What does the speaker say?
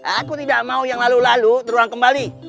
aku tidak mau yang lalu lalu terulang kembali